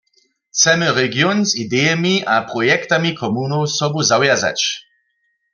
Chcemy region z idejemi a projektami komunow sobu zawjazać.